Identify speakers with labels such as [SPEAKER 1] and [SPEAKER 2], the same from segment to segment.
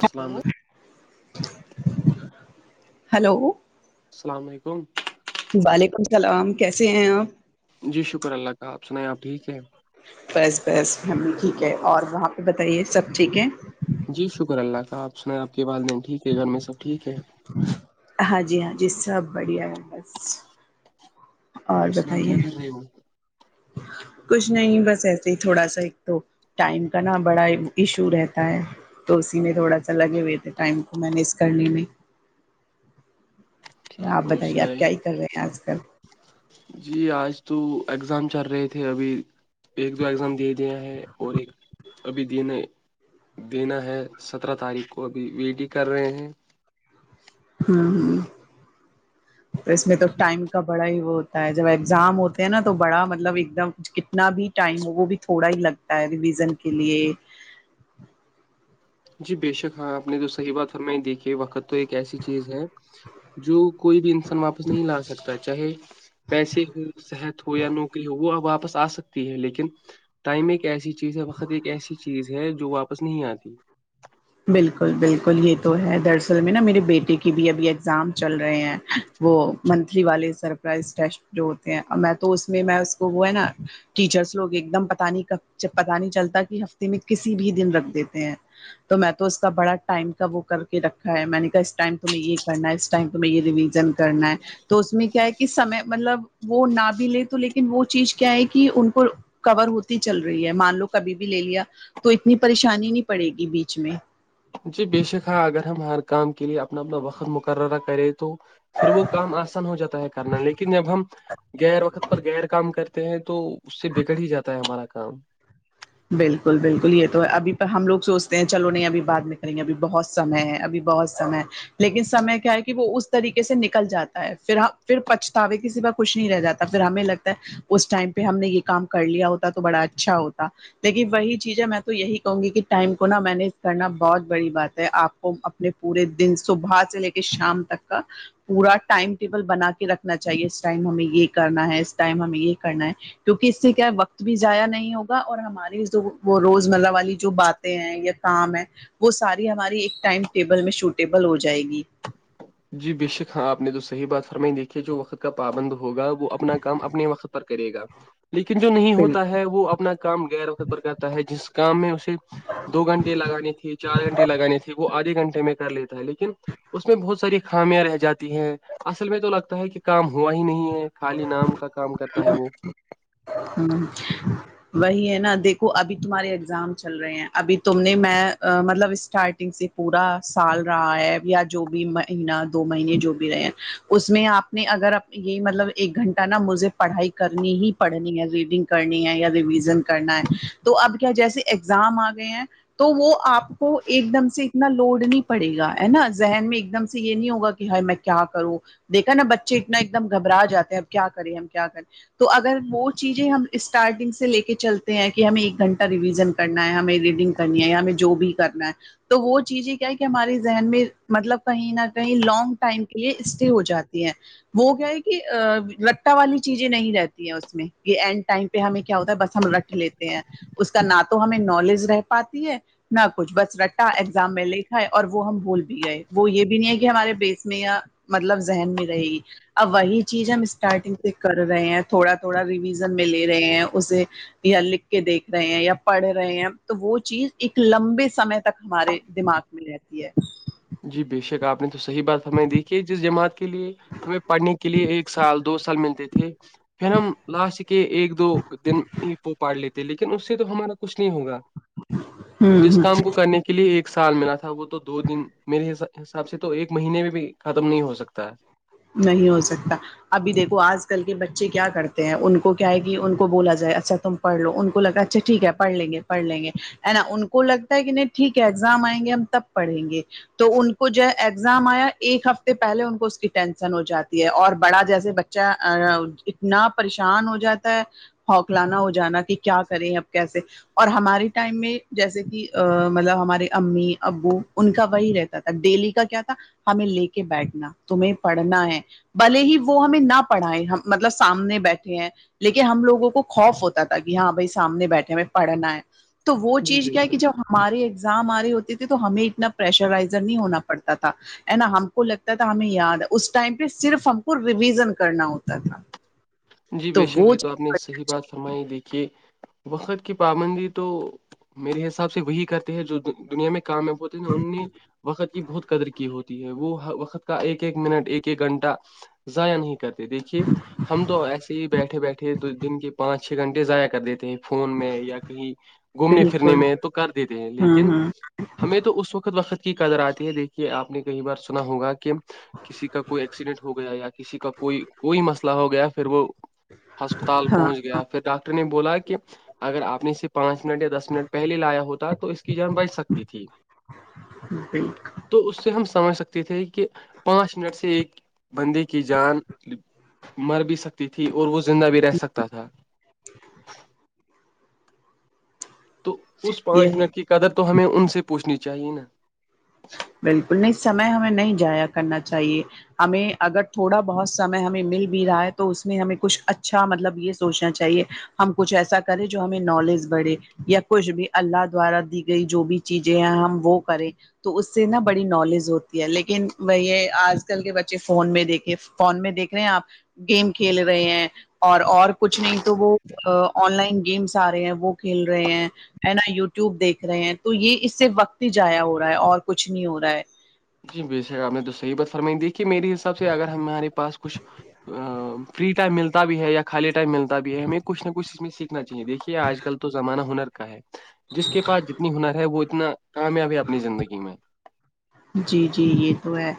[SPEAKER 1] السلامت
[SPEAKER 2] hello
[SPEAKER 1] السلام علیکم
[SPEAKER 2] وعلیکم السلام کیسے ہیں آپ
[SPEAKER 1] جی شکر اللہ کا آپ سنیں آپ ٹھیک ہے
[SPEAKER 2] بس بس فیملی ٹھیک ہے اور وہاں پہ بتائیے سب ٹھیک ہے
[SPEAKER 1] جی شکر اللہ کا آپ سنایں آپ کے والدین ٹھیک ہے گھر میں سب ٹھیک ہے
[SPEAKER 2] ہاں جی ہاں جی سب بڑھیا ہے بس
[SPEAKER 1] تو
[SPEAKER 2] اور
[SPEAKER 1] اس میں
[SPEAKER 2] بتائیے
[SPEAKER 1] کیا کر رہی ہو
[SPEAKER 2] کچھ نہیں بس ایسے ہی تھوڑا سا ایک تو ٹائم کا بڑا ایشو رہتا ہے تو اسی میں تھوڑا سا لگے ہوئے تھے ٹائم کو مینج کرنے میں آپ
[SPEAKER 1] ٹھیک اور
[SPEAKER 2] بتائیے
[SPEAKER 1] سنائے
[SPEAKER 2] آپ کیا ہی کر رہے ہیں آج کل
[SPEAKER 1] جی آج تو اگزام چل رہے تھے ابھی ایک دو ایگزام دے دیا ہے اور ایک ابھی دینے دینا ہے سترہ تاریخ کو ابھی وی ڈی کر رہے ہیں
[SPEAKER 2] ہوں تو اس میں تو ٹائم کا بڑا ہی وہ ہوتا جب ایگزام ہوتے ہیں نا تو بڑا مطلب ایک دم کتنا بھی ٹائم ہو وہ بھی تھوڑا ہی لگتا ہے ریویژن کے لیے
[SPEAKER 1] جی بےشک ہاں آپ نے تو صحیح بات ہم میں ہی دیکھی وقت تو ایک ایسی چیز ہے جو کوئی بھی انسان واپس نہیں لا سکتا چاہے پیسے ہو صحت ہو یا نوکری ہو وہ اپ واپس آ سک لیکن ٹائم ایک ایسی چیز ہے وقت ایک ایسی چیز ہے جو واپس نہیں آتی
[SPEAKER 2] بالکل بالکل یہ تو ہے دراصل میں نا میرے بیٹے کی بھی ابھی ایگزام چل رہے ہیں وہ منتھلی والے سرپرائز ٹیسٹ جو ہوتے ہیں میں تو اس میں اس کو وہ ہے نا ٹیچرس لوگ ایک دم پتا نہیں جب پتا نہیں چلتا کہ ہفتے میں کسی بھی دن رکھ دیتے ہیں تو میں تو اس کا بڑا ٹائم کا وہ کر کے رکھا ہے میں نے کہا اس ٹائم تمہیں یہ کرنا اس ٹائم تمہیں یہ رویژن کرنا ہے تو اس میں کیا ہے کہ سمے مطلب وہ نہ بھی لے تو لیکن وہ چیز کیا ہے کہ ان کو کور ہوتی چل رہی ہے مان لو کبھی بھی لے لیا تو اتنی پریشانی نہیں پڑے گی بیچ میں
[SPEAKER 1] جی بے شک ہاں اگر ہم ہر کام کے لیے اپنا اپنا وقت مقررہ کریں تو پھر وہ کام آسان ہو جاتا ہے کرنا لیکن جب ہم غیر وقت پر غیر کام کرتے ہیں تو اس سے بگڑ ہی جاتا ہے ہمارا کام
[SPEAKER 2] بالکل بالکل یہ تو اب ہم لوگ سوچتے ہیں چلو نہیں ابھی بات میں کریں گے اھی بہت سمے ہے ابھی بہت سمے لیکن سمے کیا ہے کہ وہ اس طریقے سے نکل جاتا ہے پھر پھر پچھتاوے کسی وقت خوش نہیں رہ جاتا پھر ہمیں لگتا ہے اس ٹام پہ ہم نے یہ کام کر لیا ہوتا تو بڑا اچھا ہوتا دیکن وہی چیزیں میں تو یہی کہوں گی کہ ٹائم کو نا مینج کرنا بہت بڑی بات ہے آپ اپنے پورے دن صبح سے لے کے شام تک کا پورا ٹائم ٹیبل بنا کے رکھنا چاہیے اس ٹائم ہمیں یہ کرنا ہے اس ٹائم ہمیں یہ کرنا ہے کیونکہ اس سے کیا وقت بھی ضیا نہیں ہوگا ہوا اور ہماری جو وہ روز مرہ والی جو باتیں ہیں یا کام ہے وہ ساری ہماری ایک ٹائم ٹیبل میں شوٹیبل ہو جائے گی
[SPEAKER 1] جی بے شک ہاں آپ نے تو صح بات فرمائی دیکھی ہے جو وقت کا پابند ہوگا وہ اپنا کام اپنے وقت پر کرے گا لیکن جو نہیں ہوتا
[SPEAKER 2] بالکل
[SPEAKER 1] ہے وہ اپنا کام غیر پر کرتا ہے جس کام میں اسے دو گھنٹے لگانے تھے چار گھنٹے لگانے تھے وہ آدھے گھنٹے میں کر لیتا ہے لیکن اس میں بہت ساری خامیاں رہ جاتی ہیں اصل میں تو لگتا ہے کہ کام ہوا ہی نہیں ہے خالی نام کا کام کرتا ہے وہ
[SPEAKER 2] ہوں وہی ہے نا دیکھو ابھی تمہارے ایگزام چل رہے ہیں ابھی تم نے میں مطلب اسٹارٹنگ سے پورا سال رہا ہے یا جو بھی مہینہ دو مہینے جو بھی رہے ہیں اس میں آپ اگر یہی مطلب ایک گھنٹہ نا مجھے پڑھائی کرنی ہی پڑ نی ہے ریڈنگ کرنی ہے یا ریویژن کرنا ہے تو اب کیا جیسے ایگزام آ گئے ہیں تو وہ آپ کو ایک دم سے اتنا لوڈ نہیں پڑے گا ہے نا ذہن میں ایک دم سے یہ نہیں ہوگا کہ ہائی میں کیا کرو دیکھا نا بچے اتنا ایک دم گھبرا جے ہیں اب کیا کریں ہم کیا کریں تو اگر وہ چیزیں ہم اسٹارٹنگ سے لے کے چلتے ہیں کہ ہمیں ایک گھنٹہ ریویژن کرنا ہے ہمیں ریڈنگ کرنی ہے یا ہمیں جو بھی کرنا ہے تو وہ چیز یہ کیا ہے کہ ہمارے ذہن میں مطلب کہیں نہ کہیں لانگ ٹائم کے لیے اسٹے ہو جاتی ہے وہ کیا ہے کہ لٹا والی چیزیں نہیں رہتی ہیں اس یہ اینڈ ٹائم پہ ہمیں کیا ہوتا ہے بس ہم رکھ لیتے ہیں اس کا نہ تو ہمیں نالج رہ پاتی ہے نہ کچھ بس رٹا ایگزام میں لےکھا ہے اور وہ ہم بھول بھی گئے وہ یہ بھی نہیں ہے کہ ہمارے بیس میں مطلب ذہن میں رہے گی اب وہی چیز ہم اسٹارٹنگ سے کر رہے ہیں تھوڑا تھوڑا ریویژن میں لے رہے ہیں اسے یا لکھ کے دیکھ رہے ہیں یا پڑھ رہے ہیں تو وہ چیز ایک لمبے سمے تک ہمارے دماغ میں رہتی ہے
[SPEAKER 1] جی بے شک آپ نے تو صحیح بات ہمیں دیکھی ہے جس جماعت کے لیے ہمیں پڑھنے کی کے لیے ایک سال دو سال ملتے تھے پھر ہم لاسٹ کے ایک دو دن ہی پو پڑ لیتے ل اس سے تو ہمارا کچھ نہیں ہوگا
[SPEAKER 2] ہ
[SPEAKER 1] جس
[SPEAKER 2] ہ
[SPEAKER 1] کام کو کرنے کے لیے ایک سال ملا تھا وہ تو دو دن میرے حساب سے تو ایک مہینے میں بھی ختم نہیں ہو سکتا ہے
[SPEAKER 2] نہیں ہو سکتا ابھی دیکو آج کل کے بچے کیا کرتے ہیں ان کو کیا ہے کہ ان کو بولا جائے اچھا تم پڑ لو ان کو لگا اچھا ٹھیک ہے پڑ لیں گے پڑ لیں گے ہے نا ان کو لگتا ہے کہ نہیں ٹھیک ہے ایگزام آئیں گے ہم تب پڑھیں گے تو ان کو جو ہے ایگزام آیا ایک ہفتے پہلے ان کو اسکف ٹینشن ہو جاتی ہے اور بڑا جیسے بچہ اتنا پریشان ہو جاتا ہے ہوکلانا ہو جانا کہ کیا کریں اب کیسے اور ہمارے ٹائم میں جیسے کہ مطلب ہمارے امی ابو ان کا وہی رہتا تھا ڈیلی کا کیا تھا ہمیں لے کے بیٹھنا تمہیں پڑھنا ہے بھلے ہی وہ ہمیں نہ پڑھائائے مطلب سامنے بیٹھے ہیں لیکن ہم لوگوں کو خوف ہوتا تھا کہ ہاں بھائی سامنے بیٹھے ہمیں پڑھنا ہے تو وہ
[SPEAKER 1] ہے جی
[SPEAKER 2] چیز
[SPEAKER 1] بے
[SPEAKER 2] کیا کہ جب ہماراری ایگزام آ رہے ہوتی تھی تو ہمیں اتنا پریشرائزر نہیں ہونا پڑتا تھا ہے نا ہم کو لگتا تھا ہمیں یاد اس ٹائم پہ صرف ہم کو ریویزن کرنا ہوتا تھا
[SPEAKER 1] جی بے شک
[SPEAKER 2] وہ
[SPEAKER 1] یہ تو
[SPEAKER 2] چیز
[SPEAKER 1] آپ نے صح بات فرمائی دی کہ وقت کی پابندی تو میرے حساب سے وہی کرتے ہے جو دنیا میں کامیاب ہوتے ہیں ان نے وقت کی بہت قدر کی ہوتی ہے وہ وقت ایک ایک منٹ ایک ایک گھنٹہ ضاائع نہیں کرتے دیکھیے ہم تو ایسے ہی بیٹھے بیٹھے دن کے پانچ چھ گھنٹے ضائع کر دیتے ہیں فون میں یا کہیں گھومنے پھرنے
[SPEAKER 2] بالکل
[SPEAKER 1] میں تو کر دیتے ہیں
[SPEAKER 2] ہاں
[SPEAKER 1] لیکن
[SPEAKER 2] ہاں
[SPEAKER 1] ہمیں تو اس وقت وقت کی قدر آتی ہے دیکھیے آپ نے کئی بار سنا ہوگا کہ کسی کا کوئی ایکسیڈینٹ ہو گیا یا کسی کا کوئی کوئی مسئلہ ہو گیا پھر وہ ہسپتال پہنچ
[SPEAKER 2] ہاں
[SPEAKER 1] گیا پھر ڈاکٹر نے بولا کہ اگر آپ نے اسے پانچ منٹ یا دس منٹ پہلے لایا ہوتا تو اس کی جان بچ سکتی تھی
[SPEAKER 2] ٹھیک
[SPEAKER 1] تو اس سے ہم سمجھ سکتے تھے کہ پانچ منٹ سے ایک بندے کی جان مر بھی سکتی تھی اور وہ زندہ بھی رہ سکتا تھا
[SPEAKER 2] [inaudible]
[SPEAKER 1] تو اس پانچ
[SPEAKER 2] یہی
[SPEAKER 1] منٹ کی قدر تو ہمیں ان سے پوچھنی چاہیے نا
[SPEAKER 2] بالکل نہیں سمے ہمیں نہیں جایا کرنا چاہیے ہمیں اگر تھوڑا بہت سمے ہمیں مل بھی رہا ہے تو اس میں ہمیں کچھ اچھا مطلب یہ سوچنا چاہیے ہم کچھ ایسا کریں جو ہمیں نالج بڑھے یا کچھ بھی اللہ دوارا دی گئی جو بھی چیزیں ہم وہ کریں تو اس سے نا بڑی نالج ہوتی ہے لیکن وہ یہ آج کل کے بچے فون میں دیکھے فون میں دیکھ رہے ہیں آپ گیم کھیل رہے ہیں اور اور کچھ نہیں تو وہ آن لائن گیمس آ رہے ہیں وہ کھیل رہے ہیں ہے نا یوٹیوب دیکھ رہے ہیں تو یہ اس سے وقت ہی جضایا ہو رہا ہے اور کچھ نہیں ہو رہا ہے
[SPEAKER 1] جی سر آپ نے تو صح بات فرمائی تھی کہ میرے حساب سے اگر ہم ہمارے پاس کچھ فری ٹائم ملتا بھی ہے یا خالی ٹائم ملتا بھی ہے ہمیں کھ نہ کچھ اس میں سیکھ نا چاہیے دیکھیے آج کل تو زمانہ ہنر کا ہے جس کے پاس جتنی ہنر ہے وہ اتنا کامیاب ہے اپنی زندگی میں
[SPEAKER 2] جی جی یہ تو ہے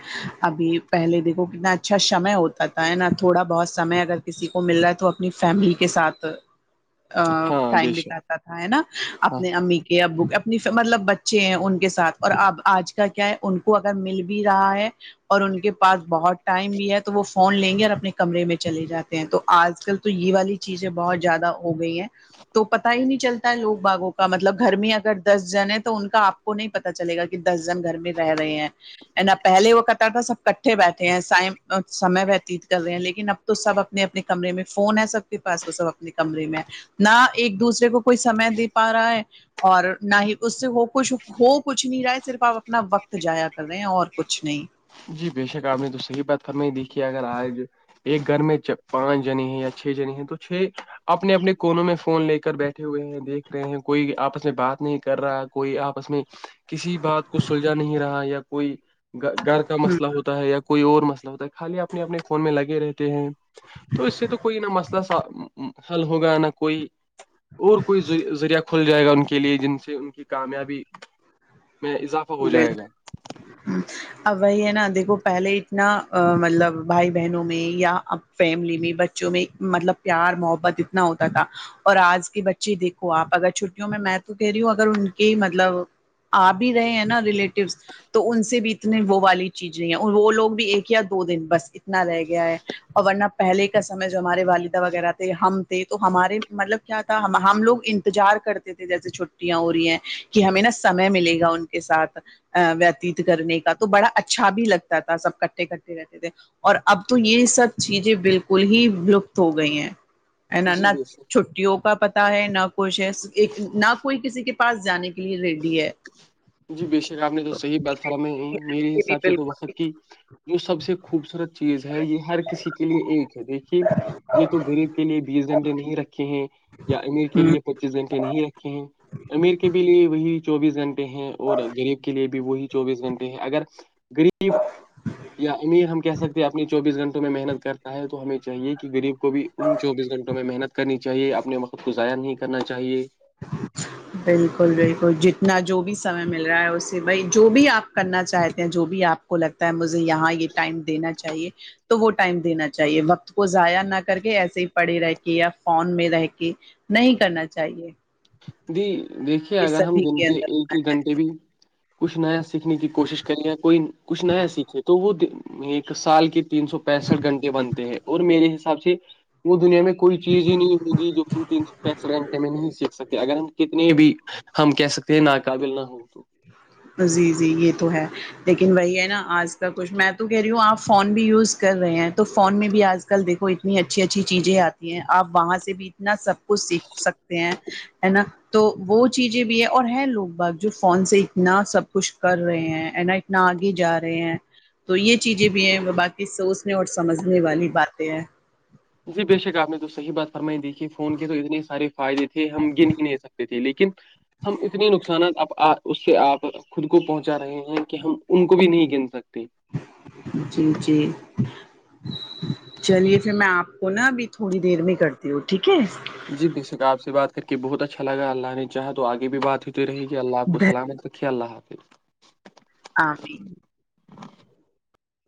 [SPEAKER 2] ابھی پہلے دیکھو کتنا اچھا سمے ہوتا تھا ہے نا تھوڑا بہت سمے اگر کسی کو مل رہا ہے تو اپنی فیملی کے ساتھ
[SPEAKER 1] ہاں بے
[SPEAKER 2] ٹائم
[SPEAKER 1] شک
[SPEAKER 2] دتاات تھا ہے نا
[SPEAKER 1] ہاں
[SPEAKER 2] اپنے امی کے ابو کے اپنی مطلب بچے ہیں ان کے ساتھ اور اب آج کا کیا ہے ان کو اگر مل بھی رہا ہے اور ان کے پاس بہت ٹائم بھی ہے تو وہ فون لیں گے اور اپنے کمرے میں چلے جاتے ہیں تو آج کل تو یہ والی چیزیں بہت زیادہ ہو گئی ہیں تو پتا ہی نہیں چلتا ہے لوگ باغوں کا مطلب گھر میں اگر دس جن ہے تو ان کا آپ کو نہیں پتا چلے گا کہ دس جن گھر میں رہ رہے ہیں نا پہلے وہ کرتا تھا سب کٹھے بیٹھے ہیں س سمے وتیت کر رہے ہیں لیکن اب تو سب اپنے اپنے کمرے میں فون ہے سب کے پاس وہ سب اپنے کمرے میں نہ ایک دوسرے کو کوئی سمے دے پا رہا ہے اور نہ ہی اس سے ہو کچھ ہو کچھ نہیں رہا ہے صرف آپ اپنا وقت تو جایا کر رہے ہیں اور کچھ نہیں
[SPEAKER 1] جی بےشک آپ نے تو صحیح بات فرم ہی دیکھی اگر آج ایک گھر میں پانچ جنے ہیں یا چھ جنی ہیں تو چھ اپنے اپنے کونوں میں فون لے کر بیٹھے ہوئے ہیں دیکھ رہے ہیں کوئی آپس میں بات نہیں کر رہا کوئی آپس میں کسی بات کو سلجھا نہیں رہا یا کوئی گ گھر کا مسئلہ ہوتا ہے یا کوئی اور مسئلہ ہوتا ہے خالی اپنے اپنے فون میں لگے رہتے ہیں تو اس سے تو کوئی نہ مسئلہ حل ہوگا نہ کوئی اور کوئی زذریہ کھول جائے گا ان کے لیے جن سے ان کی کامیابی میں اضافہ ہو
[SPEAKER 2] بسچ
[SPEAKER 1] جائے گا
[SPEAKER 2] اب وہی ہے نا دیکھو پہلے اتنا مطلب بھائی بہنوں میں یا فیملی میں بچوں میں مطلب پیار محبت اتنا ہوتا تھا اور آج کے بچے دیکھو آپ اگر چھٹیوں میں میں تو کہہ رہی ہوں اگر ان کے مطلب آ بھی رہے ہیں نا ریلیٹیوس تو ان سے بھی اتنی وہ والی چیز نہیں ہے وہ لوگ بھی ایک یا دو دن بس اتنا رہ گیا ہے اور ورنہ پہلے کا سمے جو ہمارے والدہ وغیرہ تھے ہم تھے تو ہمارے مطلب کیا تھا ہم لوگ انتظار کرتے تھے جیسے چھٹیاں ہو رہی ہیں کہ ہمیں نا سمے ملے گا ان کے ساتھ وتیت کرنے کا تو بڑا اچھا بھی لگتا تھا سب کٹھے کٹھے رہتے تھے اور اب تو یہ سب چیزیں بالکل ہی ولپت ہو گئی ہیں ا ن
[SPEAKER 1] جی بے شک
[SPEAKER 2] چھٹیوں کا پتا ہے نہ کچھ ہے نہ کوئی کسی کے پاس جانے کے لیے ریڈی ہے
[SPEAKER 1] جی بےشک آپ نے تو صحیح بات فراہم میرے
[SPEAKER 2] بھی
[SPEAKER 1] حساب سے تو وقت کی
[SPEAKER 2] بالکل
[SPEAKER 1] جو سب سے خوبصورت چیز ہے یہ ہر کسی کے لیے ایک ہے دیکھیے یہ تو غریب کے لیے بیس گھنٹے نہیں رکھ ہیں یا امیر کے لیے پچیس گھنٹے نہیں رکھے ہیں امیر کے بھی لیے وہی چوبیس گھنٹے ہیں اور گغریب کے لیے بھی وہی چوبیس گھنٹے ہیں اگر گغریب یا امیر ہم کہہ سکتے ہیں اپنی چوبیس گھنٹوں میں محنت کر ہے تو ہمیں چاہیے کہ گریب کو بھی ان چوبیس گھٹوں میں محنت کرنی چاہیے اپنے وقت کو ضائع نہیں کرنا چاہیے
[SPEAKER 2] اچھا بالکل بالکل جتنا جو بھی سمے مل رہا ہے اسے بھائی جو بھی آپ کرنا چاہتے ہیں جو بھی آپ کو لگتا ہے مجھے یہاں یہ ٹائم دینا چاہیے تو وہ ٹائم دینا چاہیے وقت کو ضائع نہ کر کے ایسے ہی پڑھے رہ کے یا فون میں رہ کے نہیں کرنا چاہیے
[SPEAKER 1] جی دیکھیے
[SPEAKER 2] یہ
[SPEAKER 1] اگر ہم
[SPEAKER 2] سبھی
[SPEAKER 1] دن کے
[SPEAKER 2] اندر
[SPEAKER 1] ایک ایک گھنٹے بھی کچھ نیا سیکھنے کی کوشش کریں کوئی کچھ نیا سیکھے تو وہ ایک سال کے تین سو پینسٹھ گھنٹے بنتے ہیں اور میرے حساب سے وہ دنیا میں کوئی چیز ہی نہیں ہوگی جو ہم ت پینس گھنٹے میں نہیں سیکھ سکتے اگر ہم کتنے بھی ہم کہہ سکتے ہیں ناقابل نہ ہ تو
[SPEAKER 2] جی جی یہ تو ہے لیکن وہی ہے نا آج سب کچھ میں تو کہہی ہوں آپ فون بھی یوز کر رہے ہیں تو فون میں بھی آج کل دیکھو اتنی اچھی اچھی چیزیں آ آپ وہاں سے بھی اتنا سب کچھ سیکھ سکتے ہیں ہے نا تو وہ چیزیں بھی ہے اور ہے لوگ باغ جو فون سے اتنا سب کچھ کر رہے ہیں ا نا اتنا آگے جا رہے ہیں تو یہ چیزیں بھی ہیں وہ باقی سوچنے اور سمجھنے والی باتیں ہیں
[SPEAKER 1] جی بے شک آپ نے تو صحیح بات فرمائی دییکھی فون کے تو اتنے سارے فائدے تھے ہم گن ہی نہیں سکتے تھے لیکن ہم اتنی نقصانات اب آ اس سے آپ خود کو پہنچا رہے ہیں کہ ہم ان کو بھی نہیں گن سکتے
[SPEAKER 2] جی جی چلیے پھر میں آپ کو نا ابھی تھوڑی دیر میں کرتی ہوں ٹھیک ہے
[SPEAKER 1] جی بے شک آپ سے بات کر کے بہت اچھا لا اللہ نے چاہ تو آگے بھی بات ہو رہے گی اللہ آپ کو سلامت کاکھے اللہ حافظ
[SPEAKER 2] ہمی